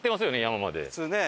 山まで。